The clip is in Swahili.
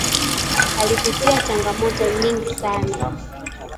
Alipitia changamoto nyingi sana